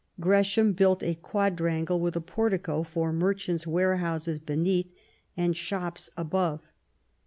Gresham built a quadrangle, with a portico for merchants' warehouses beneath, and shops above.